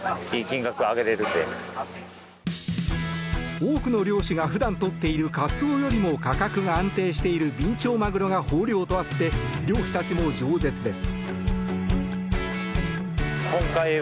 多くの漁師が普段取っているカツオよりも価格が安定しているビンチョウマグロが豊漁とあって漁師たちも冗舌です。